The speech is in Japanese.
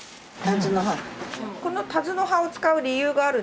このタズの葉を使う理由があるんですか？